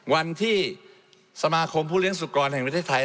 วันที่สมาคมผู้เลี้ยสุกรแห่งประเทศไทย